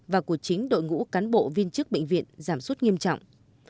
và của chính đội ngũ cán bộ viên chức bệnh viện giảm sút nghiêm trọng